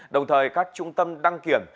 đồng thời các trung tâm đăng kiểm